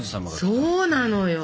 そうなのよ。